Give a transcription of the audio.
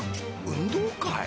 運動会？